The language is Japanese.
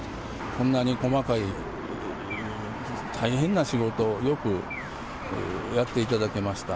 こんなに細かい大変な仕事を、よくやっていただけました。